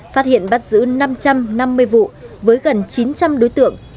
phát hiện bắt giữ năm trăm năm mươi vụ với gần chín trăm linh đối tượng